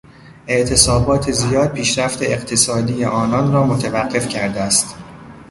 اعتصابات زیاد پیشرفت اقتصادی آنان را متوقف کرده است.